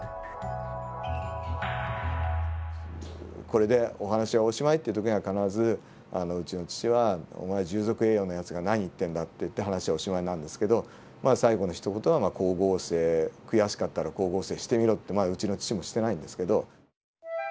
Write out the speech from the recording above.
これでお話はおしまいっていう時には必ずうちの父は「お前従属栄養のやつが何言ってんだ」って言って話はおしまいになるんですけどまあ最後のひと言は光合成悔しかったら光合成してみろってうちの父もしてないんですけど。